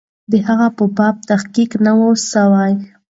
د هغې په باب تحقیق نه وو سوی.